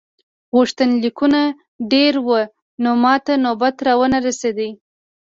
غوښتنلیکونه ډېر وو نو ماته نوبت را ونه رسیده.